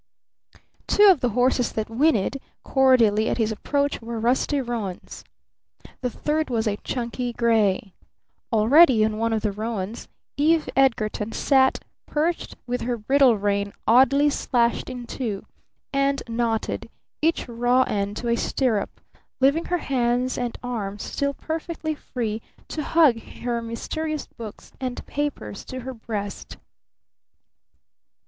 Two of the horses that whinnied cordially at his approach were rusty roans. The third was a chunky gray. Already on one of the roans Eve Edgarton sat perched with her bridle rein oddly slashed in two, and knotted, each raw end to a stirrup, leaving her hands and arms still perfectly free to hug her mysterious books and papers to her breast.